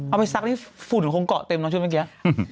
ไปซักที่ฝุ่นคงเกาะเต็มนะชุดเมื่อกี้